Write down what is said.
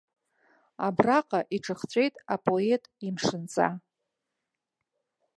Абраҟа иҿахҵәеит апоет имшынҵа.